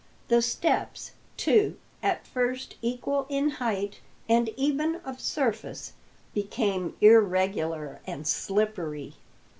The steps, too, at first equal in height and even of surface, became irregular and slippery.